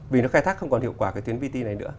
vì nó khai thác không còn hiệu quả cái tuyến vt này nữa